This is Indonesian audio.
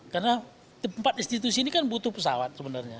karena tempat institusi ini kan butuh pesawat